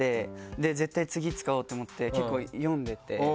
絶対次使おうと思って結構読んでて。